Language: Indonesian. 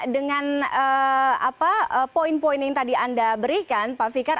dengan poin poin yang tadi anda berikan pak fikar